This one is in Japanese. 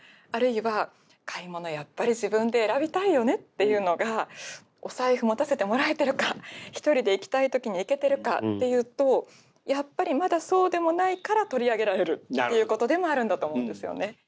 あるいは買い物やっぱり自分で選びたいよねっていうのがお財布持たせてもらえてるか一人で行きたい時に行けてるかっていうとやっぱりまだそうでもないから取り上げられるっていうことでもあるんだと思うんですよね。